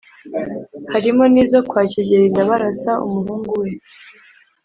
harimo n’izo kwa Kigeli Ndabarasa umuhungu we